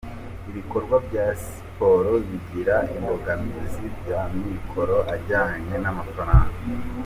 ibikorwa bya siporo bigira imbogamizi by’amikoro ajyanye n’amafaranga.